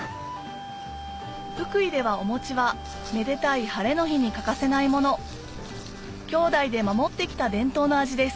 福井ではお餅はめでたい晴れの日に欠かせないもの兄弟で守ってきた伝統の味です